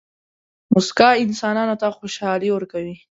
موسکا انسانانو ته خوشحالي ورکوي.